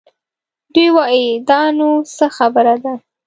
دوی وايي دا نو څه خبره ده؟